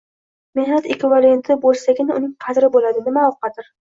mehnat ekvivalenti bo‘lsagina uning qadri bo‘ladi. Nima u – qadr?